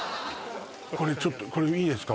これちょっといいですか？